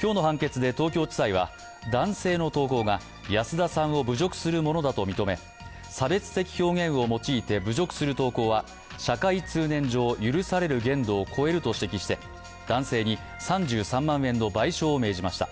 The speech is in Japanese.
今日の判決で東京地裁は男性の投稿が安田さんを侮辱するものだと認め、差別的表現を用いて侮辱する投稿は社会通念上許される限度を超えると指摘して男性に３３万円の賠償を命じました。